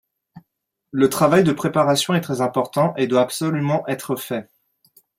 Le travail de préparation est très important et doit absolument être fait